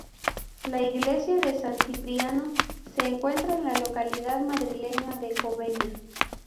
La iglesia de San Cipriano se encuentra en la localidad madrileña de Cobeña.